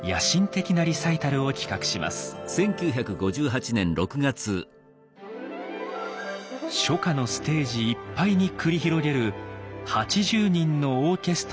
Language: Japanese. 「初夏のステージいっぱいに繰り広げる８０人のオーケストラとの協演」。